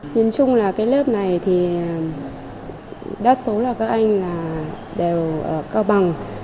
nhìn chung là cái lớp này thì đất số là các anh là đều cao bằng